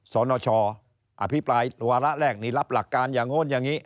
สนชอภิปรายวาระแรกนี่รับหลักการอย่างโน้นอย่างนี้